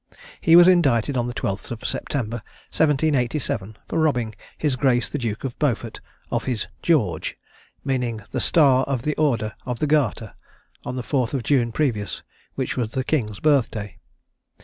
He was indicted on the 12th of September, 1787, for robbing his Grace the Duke of Beaufort of his "George," meaning the star of the order of the garter, on the 4th of June previous, which was the King's birthday.